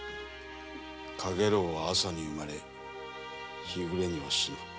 かげろうは朝に生まれ日暮れには死ぬ。